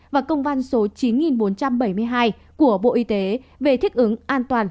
và công văn số chín nghìn bốn trăm bảy mươi hai của bộ y tế về thích ứng an toàn